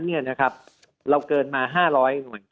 เราเกินมา๕๐๐หน่วย